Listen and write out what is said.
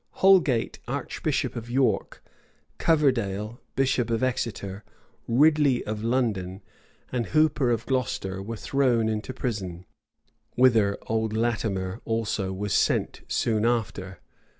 Holgate, archbishop of York, Coverdale, bishop of Exeter, Ridley of London, and Hooper of Glocester, were thrown into prison; whither old Latimer also was sent soon after.